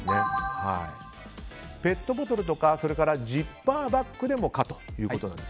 ペットボトルとかジッパーバッグでも可と。